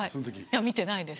いや見てないです。